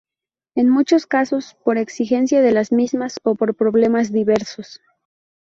En muchos casos, por exigencia de las mismas o por problemas diversos.